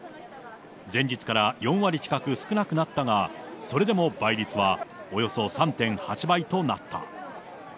前日から４割近く少なくなったが、それでも倍率はおよそ３．８倍となった。